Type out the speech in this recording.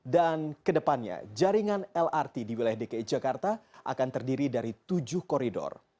dan kedepannya jaringan lrt di wilayah dki jakarta akan terdiri dari tujuh koridor